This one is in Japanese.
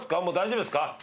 もう大丈夫ですか？